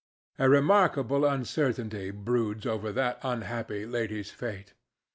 A remarkable uncertainty broods over that unhappy lady's fate.